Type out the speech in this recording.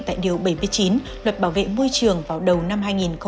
tại điều bảy mươi chín luật bảo vệ môi trường vào đầu năm hai nghìn hai mươi năm